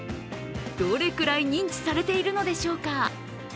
どれくらい認知されているのでしょうか。